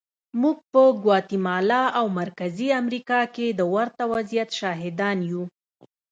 موږ په ګواتیمالا او مرکزي امریکا کې د ورته وضعیت شاهدان یو.